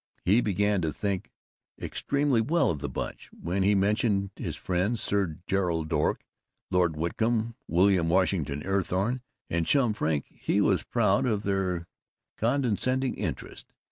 He began to think extremely well of the Bunch. When he mentioned his friends Sir Gerald Doak, Lord Wycombe, William Washington Eathorne, and Chum Frink, he was proud of their condescending interest.